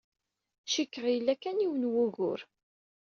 Cikkeɣ yella kan yiwen n wugur.